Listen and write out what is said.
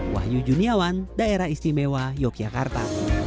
wahyu juniawan daerah istimewa yogyakarta